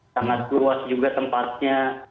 sangat luas juga tempatnya